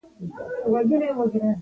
هلک د مور دعا ته اړتیا لري.